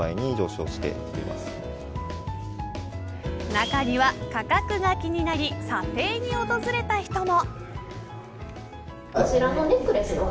中には、価格が気になり査定に訪れた人も。